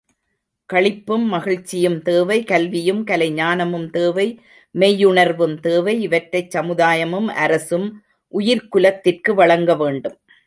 களிப்பும் மகிழ்ச்சியும் தேவை கல்வியும் கலைஞானமும் தேவை மெய்யுணர்வும் தேவை இவற்றைச் சமுதாயமும் அரசும் உயிர்க்குலத்திற்கு வழங்கவேண்டும்.